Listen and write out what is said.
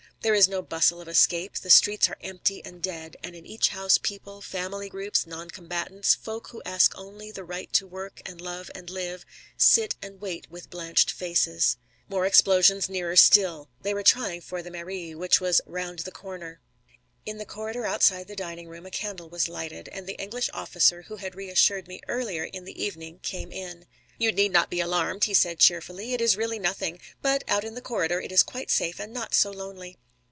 There is no bustle of escape. The streets are empty and dead, and in each house people, family groups, noncombatants, folk who ask only the right to work and love and live, sit and wait with blanched faces. More explosions, nearer still. They were trying for the Mairie, which was round the corner. In the corridor outside the dining room a candle was lighted, and the English officer who had reassured me earlier in the evening came in. "You need not be alarmed," he said cheerfully. "It is really nothing. But out in the corridor it is quite safe and not so lonely."